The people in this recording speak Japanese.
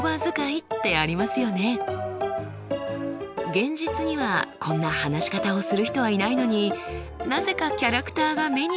現実にはこんな話し方をする人はいないのになぜかキャラクターが目に浮かぶ。